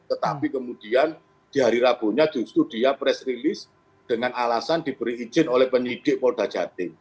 tetapi kemudian di hari rabunya justru dia press release dengan alasan diberi izin oleh penyidik polda jati